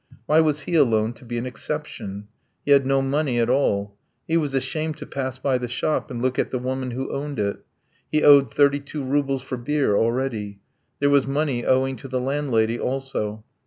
Why was he alone to be an exception? He had no money at all. He was ashamed to pass by the shop and look at the woman who owned it. He owed thirty two roubles for beer already. There was money owing to the landlady also.